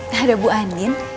eh ada bu anin